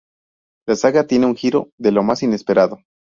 La saga tiene un giro de lo más inesperado.